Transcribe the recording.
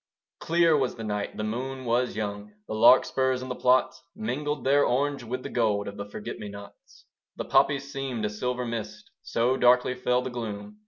Clear was the night: the moon was young: The larkspurs in the plots Mingled their orange with the gold Of the forget me nots. The poppies seemed a silver mist: So darkly fell the gloom.